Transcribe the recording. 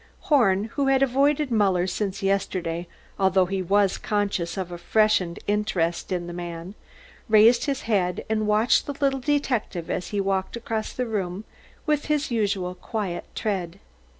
Horn, who had avoided Muller since yesterday although he was conscious of a freshened interest in the man, raised his head and watched the little detective as he walked across the room with his usual quiet tread.